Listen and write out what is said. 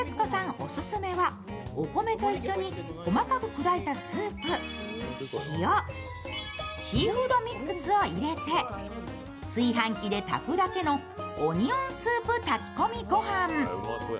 オススメは、お米と一緒に細かく砕いたスープ、塩、シーフードミックスを入れて炊飯器で炊くだけのオニオンスープ炊き込みご飯。